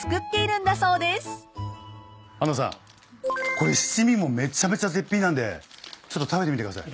これ七味もめちゃめちゃ絶品なんでちょっと食べてみてください。